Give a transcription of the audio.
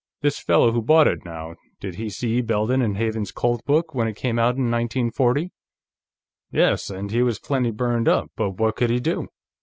"This fellow who bought it, now; did he see Belden and Haven's Colt book, when it came out in 1940?" "Yes, and he was plenty burned up, but what could he do?